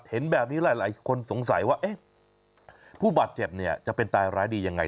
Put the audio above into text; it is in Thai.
เห็นแบบนี้หลายคนสงสัยว่าผู้บาดเจ็บเนี่ยจะเป็นตายร้ายดียังไง